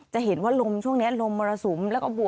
จะเห็นว่าลมช่วงนี้ลมระสุม